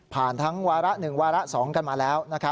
ทั้งวาระ๑วาระ๒กันมาแล้ว